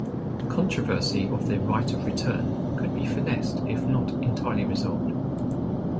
The controversy of "the right of return" could be finessed if not entirely resolved.